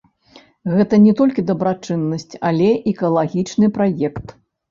Гэта не толькі дабрачыннасць, але і экалагічны праект.